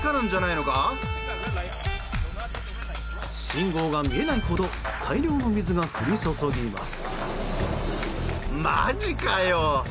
信号が見えないほど大量の水が降り注ぎます。